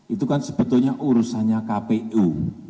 itu kan sebetulnya urusannya kpu